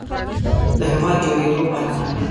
د هېواد د جوړېدو په ارمان.